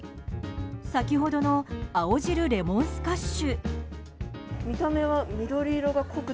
先ほどの青汁レモンスカッシュ。